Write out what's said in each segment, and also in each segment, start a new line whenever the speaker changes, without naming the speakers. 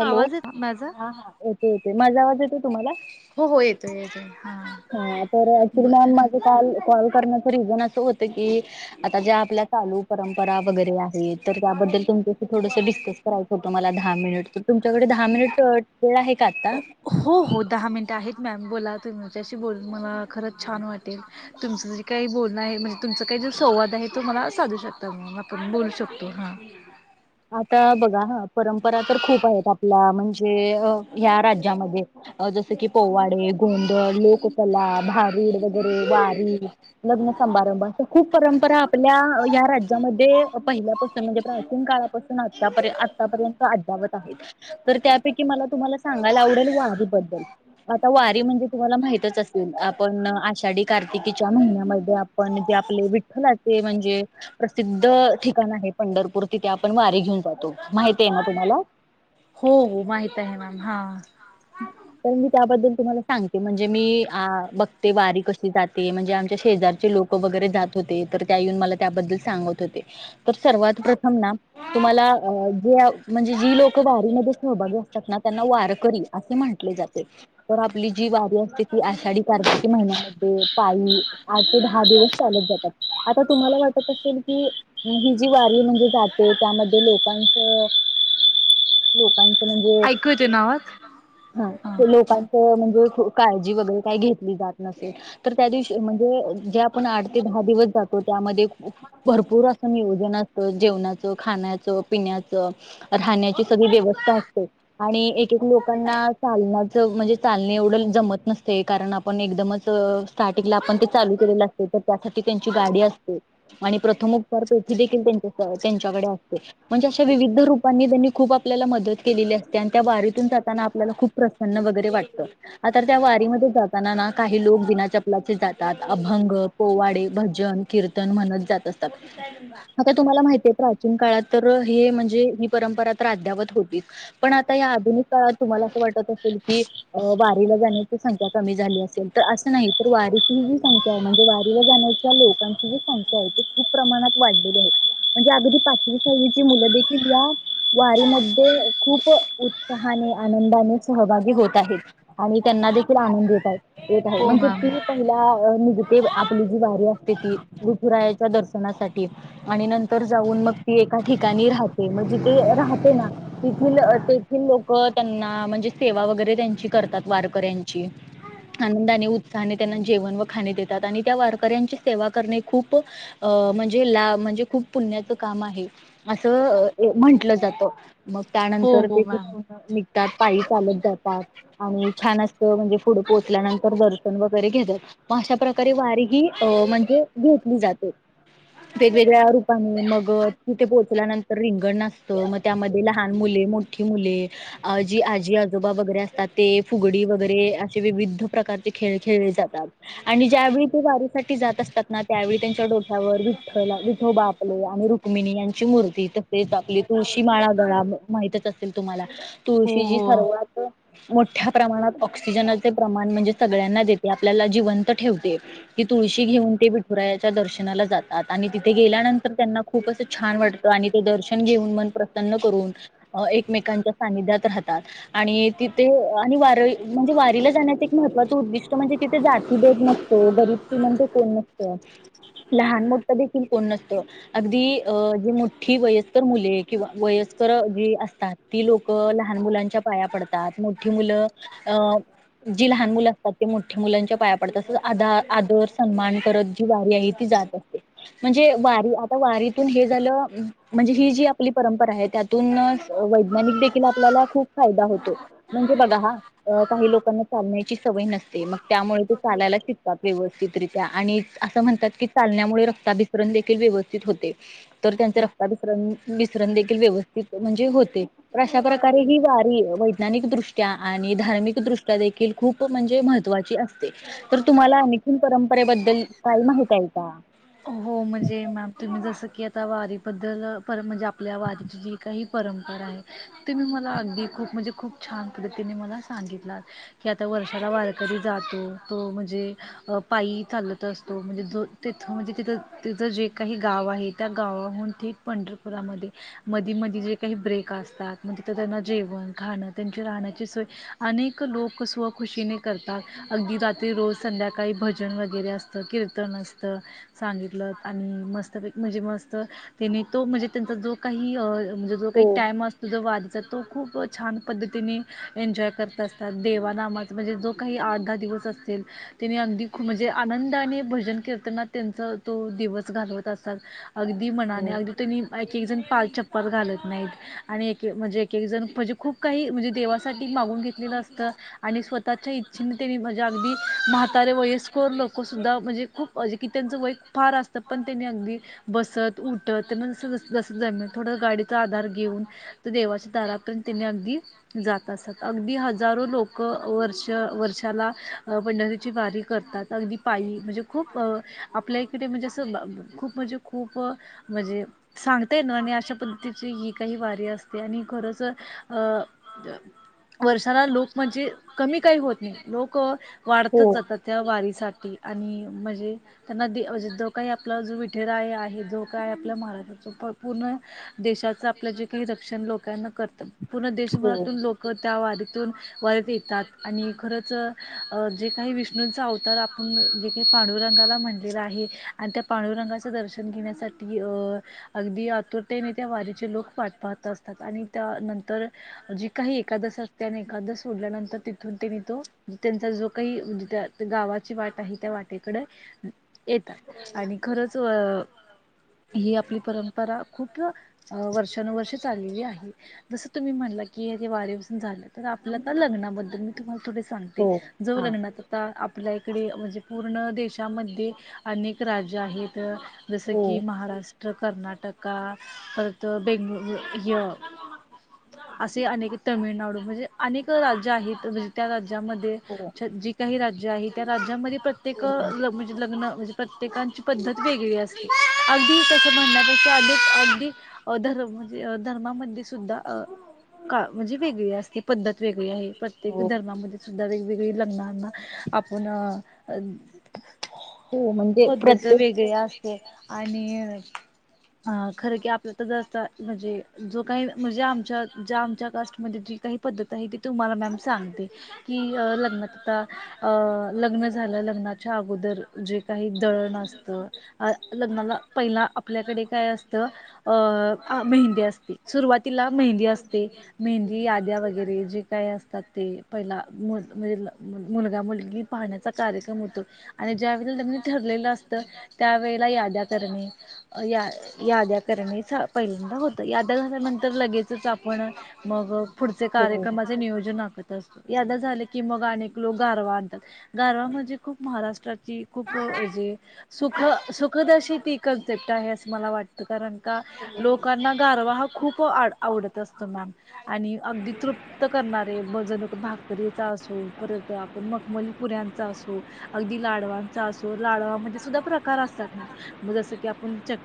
Hello
आवाज येत माझा?
हा हा येते येते माझा आवाज येते तुम्हाला
हो हो येतोय येतोय
हा तर अऐक्चुली मॅ माल कॉल करण्याच रिझन अस हो कि आता ज्या आपल्या चालू परंपरा वगैरे तर त्याबद्दल तुमच्याशी थोडंसं डिस्कस करायचं होतं मला दहा मिनिट तुमच्याकडे दहा मिनिट वेळ आहे का आता
हो हो दहा मिनिटं आहेत मॅम बोला तुमच्याशी बोल मला खरंच छान वाटेल तुमचं जे काही बोलणं आहे म्हणजे तुमचं काही जो संवाद आहे तो मला साधू शकताण आपण बोलू शकतो हा
आता बघा हा परंपरा तर खूप आहेत आपल्या म्हणजे ह्या राज्यामध्ये जस की पोवाडे गोंधळ लोककला भारूड वगैरे वारी ल सभारंभ खूप परंपरा आपल्या ह राज्यामध्ये पहिल्यापासून म्हणजे प्राचीन काळात आत्तापर्यंत आतापर्यंत तर त्यापैकी मला तुम्हाला सांगायला आवडेल वारीबद्दल आ वारी म्हणजे तुम्हाला माहीतच असेल आपण आषाढी कार्तिकीच्या महिन्यामध्ये आपण जे आपले विठ्ठलाचे म्हणजे प्रसिद्ध ठिकाण आहे पंढरपूर तिथे आपण वारी घेऊन जातो माहिती आहे ना तुम्हाला
हो माहित आहे मॅम हा
तर मी त्याबद्दल तुम्हाला सांगते म्हणजे मी बघते वारी कशी जाते म्हणजे जे आमच्या शेजारचे लोक वगैरे जात होते तर त्या येऊन मला त्याबद्दल सांगत होते तर सर्वात प्रथम ना तुम्हाला जे म्हणजे जी लोक वारीमध्ये सहभागी असतात ना त्यांना वारकरी असे म्हटले जाते तर आपली जी वारी असते ती आषाढी कार्तिकी महिन्यामध्ये पायी आठ ते दहा दिवस चालत जातात आता तुम्हाला वाटत असेल की ही जी वारी म्हणजे त्यामध्ये लोकांच लोकां
ऐकू येतोय ना आवाज
हा लोकांच म्हणजे काळजी वगैरे काही घेतली जात नसेल तर त्या दिवशी म्हणजे जे आपण आठ ते दहा दिवस जातो त्यामध्ये भरपूर अस नियोजन असत जेवणाच खाण्याचं पिण्याचं राहण्याची सगळी व्यवस्था असते आणि एक एक लोकांना चाल म्हणजे चाल एवढ जमत नसते कारण आपण एकदमच लू के अस तर त्यासाठी त्यांची गाडी असते आणि प्रथम उपचार पेटि त्यांच्याकडे असते म्हणजे असं विविध रूपाने त्यांनी आपल्याला मदत केलेली असते आपल्याला खूप प्रसन्न वगैरे वाटत आता वारी जातना काही लोक बिना चपलाचे जातात अभंग पोवाडे भजन कीर्तन म्हणत जात असतात आता तुम्हाला माहितीय प्रचीन काळात तर हे म्हणजे परंपरा तर अ्यापत होती पण आता का वाटत असेल की वारीला जाण्याची संख्या कमी झाली असेल तर असं नाही तर वारीची ्या म्हणजे वारीला जाण्याच्या लोकांची जी संख्या आहे त खूप प्रमाणात वाढलेली आहे म्हणजे अगदी पाचवी सावीची मुलं देखील या वारीमध्ये खूप उत्साहाने आनंदाने सहभागी होत आहेत आणि त्यांना देखील आनंद येत येत आहे
हो
म्हणजे
मॅम.
त पहि निगेटिव आपली जी वारी असते ती ऋतुरायाच्या दर्शनासाठी आणि नंतर जाऊन मग ती एका ठिकाणी राहते म्हणजे ते राहते ना तिथील तिथील लोक त्यांना म्हणजे सेवा वगैरे त्यांची करतात वारकऱ्यांची आनंदाने उत्साहाने त्यांना जेवण व खा त्या वारकऱ्यां सेवा खप म्हणजेणे खूप पुण्याचं काम आहे असं म्हटलं जातं मग
हो
त्यानंतर
हो
ते
मॅम
तघ पाय चालत जातात आणि छान असत म्हणजे पुढ पोहोचल्यानंतर दर्शन व अश प्रकारे वारी ही म्हणजे घेतली जाते वेगवेगळ्या रूपाने मग तिथे पोहोचल्यानंतर रिंगण नाचतं मग त्यामध्ये लहान मुले मोठी मुले अ जी आजी आजोबा वगैरे असतात ते फुगडी वगैरे असे विविध प्रकार खेळ खेळले जातात, आणि ज्यावेळी ते वारीसाठी जात असतात. ना त्यावेळी त्यांच्या डोक्यावर विठ विठोबा आपले आणि रुक्मिणी यांची मूर्ती तसेच आपली तुळशी माळा गळा माहतीच असेतील तुम्हाला.
हो
तुळशी ही
हो.
सर्वात मोठ्या प्रमाणात ऑक्सिजन प्रमाण म्हणजे सगळ्यांना देते आपल्याला जिवंत ठेवते की तुळशी घेऊन ते विठुरायाच्या दर्शनाला जात त आणि तिथे गेल्यानंतर त्यांना खूपच छान वाटतं आणि ते दर्शन घेऊन मन प्रसन्न करून अ एकमेकांच्या साननिध्यात राहतात, आणि तिथे आणि म्हणजे वारीला जाण्या एक महत्वाचं उद्दिष्ट म्हणजे तिथे जाती भेद नसतो गरीब श्रीमंत णसतो कोण लहान मोठ देखील कोण नसत अगदी अ जी मोठी वयस्कर मुले वयस्कर जी असतात ती लोक. लहान मुलांच्या पाया पडतात मोठी मुलं अ जी लहान मुलं असतात ते मोठ्या मुलांच्या पाया पडतात तसच आ आदर सन्मान करत जी वारी आहे. ती जात असते म्हणजे वारी आता वारी झाल म्हणजे ही जी आपली परंपरा आहे त्यातूनच वैज्ञानिक देखील आपल्याला खूप फायदा होतो म्हणजे बघा हा काही लोकांना चालण्याची सवय नसते मग त्यामुळे चायलायला शिकतात व्यवस्थित रित्या आणि अस म्हणतात की चालण्यामुळे रक्ताभितण देखील व्यवस्थित होते तर त्यांचे रक्ताभिसरण देखील व्यवस्थित म्हणजे होते. खरं ही वारी वैज्ञानिकदृष्ट्या आणि धार्मिकदृष्ट्या देखील खूप म्हणजे महत्त्वाची असते. तर तुम्हाला आणखीन परंपरेबद्दल काय माहित आहे का?
हो म्हणजे मॅम तुम्ही जसं की आ आता वारीबद्दल पर म्हणजे आपल्या वारीची जी काही परंपराये ते मी मला अगदी खूप म्हणजे. खूप छान पद्धतीने मला सांगितला की आता वर्षाला वारकरी जातो तो म्हणजे अ पायी चालत असतो म्हणजे ज तेथं म्हणजे, थ तिचं जे काही गाव आहे त्या गावाहून थेट पंढरपुरामध्ये मधी मधी जे काही ब्रेक असतात म तीथ त्यांना जेवण खण त्यांची राहण्याची सोय अनेक लोक स्वखुशीन करतात अगदी रात्री रोज संध्याकाळी भजन वगैरे असत कीर्तन असत. सांगितलं आणि मस्त म्हणजे मस्त त्यांनी तो म्हणजे त्यांचा जो काही म्हणजे जो काही
हो.
टाम असतो, जो वा तो खूप छान पद्तीने एन्जॉय करत असतात देवानामात म्हणजे जो काही आठ दहा दिवस असनी ते अगदी खूप म्हणजे आनंद आणि भजन कीर्तनात त्यांचा तो दिवस घालवत असतल अगदी मनाने
हो
अगदी ते एक एक जण पाल चप्पात घालत नाहीत आणि एक म्हणजे एक एक जण म्हणजे खूप काही म्हणजे देवासाठी मागून घेतले असत आणि स्वतःच्या इच्छेनी म्हणजे अगदी म्हातारे वयस्कर लोक सुद्धा म्हणजे खूप म्हणजे कि त्यांच वय फार असत. पण त्यांनी अगदी बसत उठत त्याना जस जमल तस थोड गाडी आधार घेऊन देवाच्या दारपर्यत अगदी जात असत. अगदी हजारो लोक, वर्ष वर्षाला पंढरीची वारी करतात. अगदी पायी म्हणजे खूप अ आपल्या इकडे म्हणजे असं खूप म्हणजे खूप म्हणजे सांगतायेना आणि अशा पद्ध् तिची ही काही वारी असते आणि खरच अ वर्षाला लोक म्हणजे कमी काही होत नाही लोक वाढतच
हो
जातात त्या वारीसाठी. आणि म्हणजे त्यांना जो काही आपला जो विठुराय आहे जो काय आपल्या महाराष्ट्राच पूर्ण देश त्याच आपलं जे काही रक्षण लोकांना करतात पूर्ण
हो
देशभरातून लोक त्या वारीत वारीतुन वरीत येतात आणि खरच जे काही विष्णूंचा अवतार आपण जे काही पाडुरंगाला म्हण् मंदिर त्या पांडुरंगाच दर्शन घेण्यासाठी अगदी आतुरतेने त्या वारीत लोक वाट पाहत असतात आणि त्यानंतर जी काही एकादशी असते आणि एकादशी सोडल्यानंतर तिथून तीनी तो. त्यांचा जो काही म्हणजे त्या गावाची वाट आहे त्या वाटेकडे येतात आणि खरंच अ! ही आपली परंपरा खूप वर्षानुवर्ष चाललेली आहे जसं तुम्ही म्हणाल म्हणला किआपल्या लग्नाबद्दल मी तुम्हाला [unintelligible] सांगते
हो
ज
हा
लग्नात आता आपल्या इकडे म्हणजे पूर्ण देशामध्ये अनेक राज्य आहेत, जस
हो
की महाराष्ट्र. कर्नाटका परत बेंग हे अ असे अनेक तमिळनाडू, म्हणजे अनेक राज्य आहेत म्हणजे त्या राज्या राज्यामध्ये
हो
जी काही राज्य आहे त्या राज्यामध्ये प्रत्येक
हो
म्हणजे लग्न म्हणजे प्रत्येकांची पद्धत वेगळी असते अगदी तस म्हणण्यापेक्षा अ अगदी [unintelligible] म्हणजे धर्मामध्ये सुद्धा अ का म्हणजे वेगळी असते, पद्धत वेगळी आहे प्रत्येक
हो
धर्मामध्ये सुद्धा वेगवेगळी लग्नांना. आपण अ
हो म्हणजे
पद्धत
प्रत्येक
वेगळे असते. आणि अ खरं की आपल्या तर जा म्हणजे, जो काही म्हणजे आमच्या ज्या आमच्या कास्टमध्ये जी काही पद्धत आहे तुम्हाला मॅम सांगते, की लग्नात आता लग्न झाल लग्नाच्या अगोदर जे काही दळण असतं अ लग्नाला पहिला आपल्याकडे काय असतं अ मेहंदी असते सुरुवातीला मेहंदी असते, मेहंदी याद्या वगैरे जे काय असतात ते पहिला म्हण म्हणजे मुलगा, मुलगी पाहण्याचा कार्यक्रम होतो आणि ज्या वेळी लग्न ठरलेलं असत त्यावेेळेला याद्या करणे, अं याद्या करणे था पहिल होत याद्या झाल्यानंतर, लगेचच आपण मग पुढचे
हो
कार्यक्रमाचे नियोजन आखत. याद्या झाले की मग अनेक लोक गारवा आणतात, गारवा म्हणजे खूप, महाराष्ट्राची खूप म्हणजे सुख सुखदअशी ती कन्सेप्ट आहे असं मला वाटतं कारण का लोकांना गारवा हा खूप आवडत असतो. अगदी तृप्त करणारे भज नक भाकरीचा असो परत आपण मका मलिपुऱ्यांचा असो अगदी लाडवां चा लाडवा मदे सुद्धा प्रकार असतात ना म जस की आपण च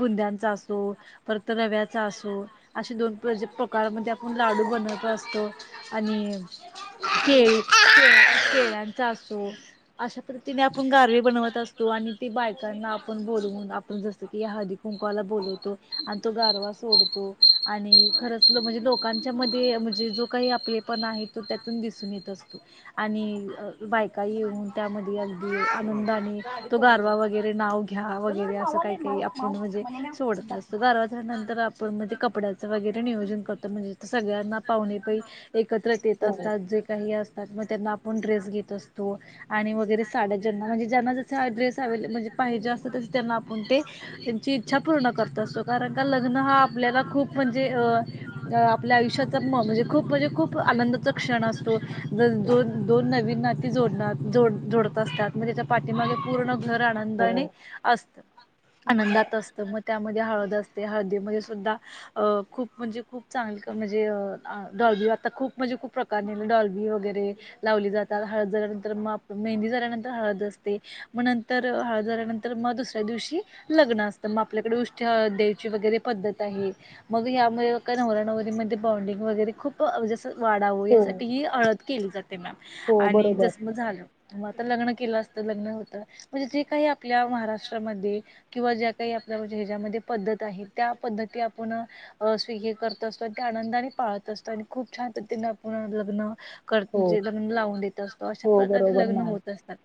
बुंद्यांचा असो परत रव्याचा असो, असे दोन प्रजे प्रकार मध्ये आपण लाडू बनवत असतो आणि केळी केळ्यांचा असो अशा प्र [unintelligible] तिने आपण गारवे बनवत असतो, आणि ते बायकांना आपण बोलवून आपण जस की या हळदी कुंकवाला बोलवतो. तो गारवा सोडतो, आणि खरच म्हणजे लोकांच्या मध्ये म्हणजे जो काही. आपले पण आहे तो त्यातून दिसून येत असतो, आणि बायका येऊन त्यामध्ये आनंदाने तो गारवा वगैरे नाव घ्या, वगैरे असं काही काही आपण म्हणजे सोड तस गारव्याज्यानंतर आपण म्हणजे कपड्याचं वगैरे नियोजन करतो म्हणजे सगळ्यांना पाहूणे पै एकत्र येत
हो
असतात, जे काही असतात, मग त्यांना आपण ड्रेस घेत असतो, आणि वगैरे ज्याना मंजे ज्यांना जसे ड्रेस अवलं म्हणजे पाहिजे अस तस त्यांना आपन ते त्यांची इच्छा पूर्ण कर तस कारण लग्न हा आपल्याला खूप म्हणजे, अ अ आपल्या आयुष्या म्हणजे खूप म्हणजे खूप आनंदाचा क्षण असतो. ज दोन, दोन नवीन नाती जोडणार, जोड जोडत असतात, म तेच्या त्याच्या पाठीमागे पूर्ण आनंद
हो
आणि असत, आनंदात असत, मग त्यामध्ये हळद असते हळदीमध्ये सुद्धा खूप अ म्हणजे खूप चांगली म्हणजेअ खुप म्हणजे, खुप प्रकार, डॉलबी वैगरे लावली जातात, हळद झाल्यानंतर म आपन मेहंदी झाल्यानं हळद असते मग, नंतर हळद झाल्यानंतर मग दुसऱ्या दिवशी लग्न असत मग आपल्याकडे उष्टी हळद द्यायची वगैरे पद्धत आहे मग यामुळे का नवरा नवरीमध्ये बॉ्डिंग वगैरे खूप मंजे असं वाढाव
हो
यासाठी ही हळद केली जाते मॅम,
हो
आणि
बरोबर
जस म झालं लग्न केलं असत, लग्न होत, म्हणजे जे काही आपल्या महाराष्ट्र किंवा ज्या काही आपल्या ह्याच्यामध्ये पद्धत आहे, त्या पद्धती आपुण स्वीगे करत असतो, ते आनंदाने पाळत असतो, आणि खूप छान पध्दतीने आपुण लग्न
हो
म्हणे लग्न लावून देत असतो अशा
हो
प्रकारे
बरोबर
लग्न
मॅम
होत असतात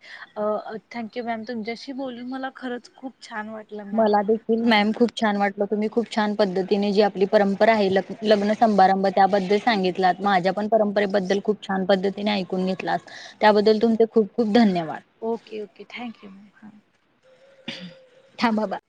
थँक यू मॅम तुमच्याशी बोलून मला खरंच खूप छान वाटलं मॅम
मला देखील
अ,
मॅम खूप छान वाटल तुम्ही खूप छान पद्धतीने जी आपली परंपरा आहे ल लग्न सभारंभ त्याबद्दल सांगित माझ्या पण परंपरेबद्दल खूप छान पद्धतीने ऐकून घेतला
ओके ओके थँक्यू मॅ हा
थांबाबा